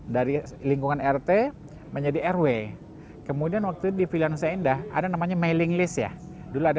dari lingkungan rt menjadi rw kemudian waktu di filian saya indah ada namanya mailing list ya dulu ada